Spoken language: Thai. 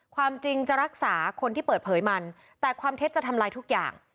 ความจริงจะรักษาคนที่เปิดเผยมันแต่ความเท็จจะทำลายทุกอย่าง